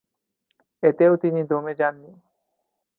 এতেও তিনি দমে যাননি।